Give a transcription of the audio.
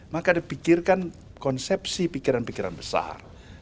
maka dipikirkan konsepsi pikiran pikiran besar